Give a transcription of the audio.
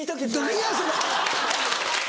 何やそれ！